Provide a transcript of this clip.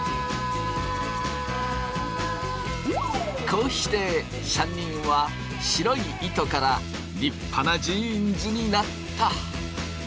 こうして３人は白い糸から立派なジーンズになった。